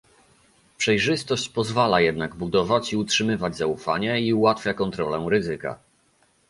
Przejrzystość pozwala jednak budować i utrzymywać zaufanie i ułatwia kontrolę ryzyka